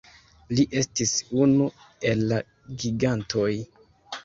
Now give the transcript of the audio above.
Li estis unu el la gigantoj.